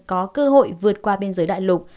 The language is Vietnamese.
có cơ hội vượt qua biên giới đại lục